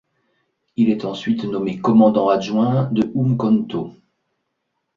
Il est ensuite nommé Commandant adjoint de Umkontho.